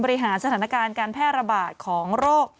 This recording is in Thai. บริหารสถานการณ์การแพร่ระบาดของโรค